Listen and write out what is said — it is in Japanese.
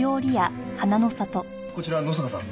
こちら野坂さん。